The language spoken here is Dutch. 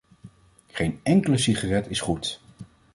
Geen enkele sigaret is goed.